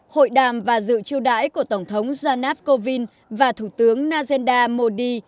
hội đàm và dự chiêu đãi của tổng thống jamna kovind và thủ tướng najendra modi